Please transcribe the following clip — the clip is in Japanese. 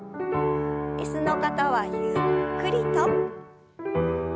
椅子の方はゆっくりと。